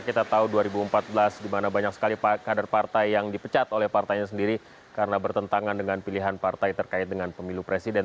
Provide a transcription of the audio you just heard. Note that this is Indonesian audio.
kita tahu dua ribu empat belas di mana banyak sekali kader partai yang dipecat oleh partainya sendiri karena bertentangan dengan pilihan partai terkait dengan pemilu presiden